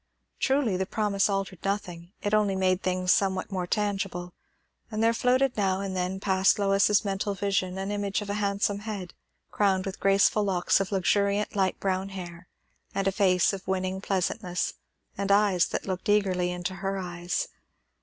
Truly the promise altered nothing, it only made things somewhat more tangible; and there floated now and then past Lois's mental vision an image of a handsome head, crowned with graceful locks of luxuriant light brown hair, and a face of winning pleasantness, and eyes that looked eagerly into her eyes.